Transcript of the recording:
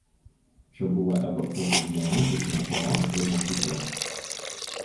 Čia buvo evakuoti žmonės iš metro ir mokyklų.